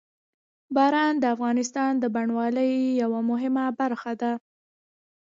باران د افغانستان د بڼوالۍ یوه مهمه برخه ده.